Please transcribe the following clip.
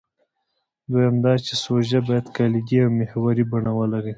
دویم دا چې سوژه باید کلیدي او محوري بڼه ولري.